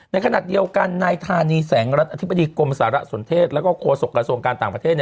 ในขณะเดียวกันนายทานีแสงรัฐอธิบติกรมสารสนเทศและโครสกรสมการต่างประเทศ